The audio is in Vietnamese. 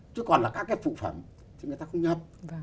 chứ còn là các cái phụ phẩm thì người ta không nhập